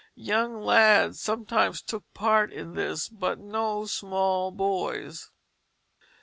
Young lads sometimes took part in this, but no small boys.